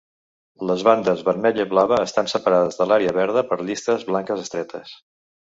Les bandes vermella i blava estan separades de l'àrea verda per llistes blanques estretes.